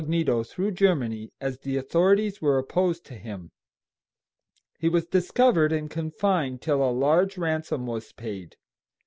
_ through Germany, as the authorities were opposed to him. He was discovered and confined till a large ransom was paid.